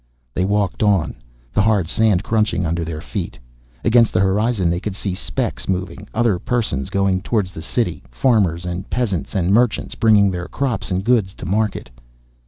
They walked on, the hard sand crunching under their feet. Against the horizon they could see specks moving, other persons going toward the City, farmers and peasants and merchants, bringing their crops and goods to market.